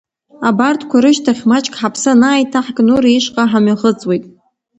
Абарҭқәа рышьҭахь маҷк ҳаԥсы анааиҭаҳк, Нури ишҟа ҳамҩахыҵуеит.